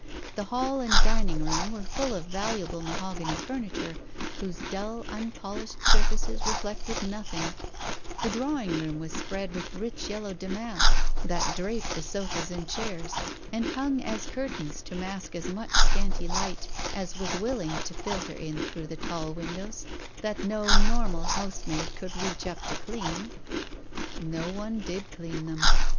The hall and dining room were full of valuable mahogany furniture whose dull unpolished surfaces reflected nothing, the drawing room was spread with rich yellow damask, that draped the sofas and chairs, and hung as curtains to mask as much scanty light as was willing to filter in through the tall windows that no normal housemaid could reach up to clean. No one did clean them.